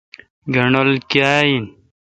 گنڈول کاں این